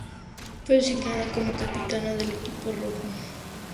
Fue designada como capitana del equipo rojo.